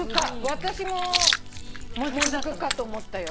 私ももずくかと思ったよ。